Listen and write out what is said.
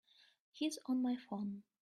He's on my phone.